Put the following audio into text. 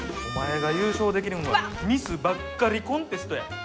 お前が優勝できるんはミスばっかりコンテストや。